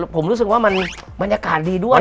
ผมรู้สึกว่าบรรยากาศดีด้วย